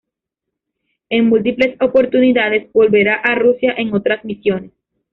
En múltiples oportunidades volverá a Rusia en otras misiones.